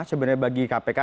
sebenarnya bagi kpk